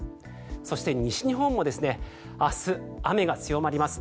そして、西日本も明日、雨が強まります。